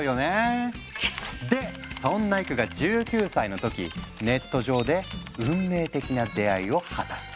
でそんなエクが１９歳の時ネット上で運命的な出会いを果たす。